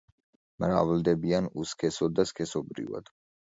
მრავლდებიან უსქესოდ და სქესობრივად.